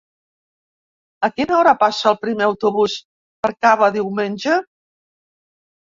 A quina hora passa el primer autobús per Cava diumenge?